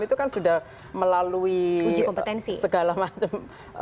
itu kan sudah melalui segala macam